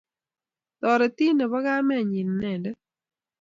Taretin ne po kamennyi inendet.